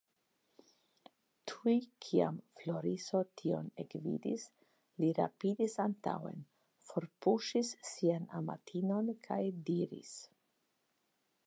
Tuj kiam Floriso tion ekvidis, li rapidis antaŭen, forpuŝis sian amatinon kaj diris.